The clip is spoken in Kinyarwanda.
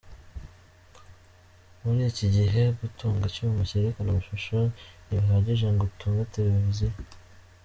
Muri iki gihe, gutunga icyuma cyerekana amashusho ntibihagije ngo utunge televiziyo.